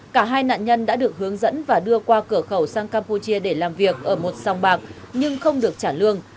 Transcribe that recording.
cả hai nạn nhân đã được hướng dẫn và đưa qua cửa khẩu sang campuchia để làm việc ở một sòng bạc nhưng không được trả lương